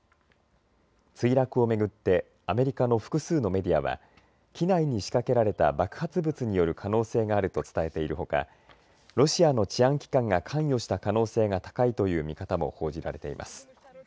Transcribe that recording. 墜落を巡ってアメリカの複数のメディアは機内に仕掛けられた爆発物による可能性があると伝えているほかロシアの治安機関が関与した可能性が高いという見方も報じられています。